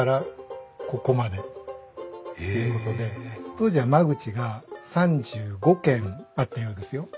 当時は間口が３５間あったようですよ。